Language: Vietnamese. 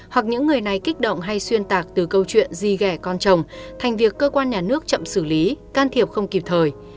hoặc những người này kích động hay xuyên tạc từ câu chuyện di gẻ con chồng thành việc cơ quan nhà nước chậm xử lý can thiệp không kịp thời